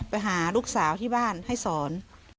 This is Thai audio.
ไปหาลูกสาวที่บ้านให้สอน